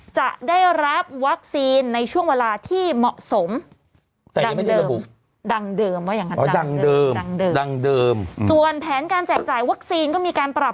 จะได้รับวัคซีนในช่วงเวลาที่เหมาะสม